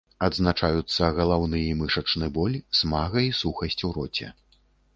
Адзначаюцца галаўны і мышачны боль, смага і сухасць у роце.